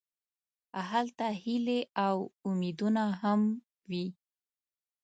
هلته هیلې او امیدونه هم وي.